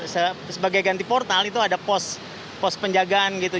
sebagai ganti portal itu ada pos penjagaan gitu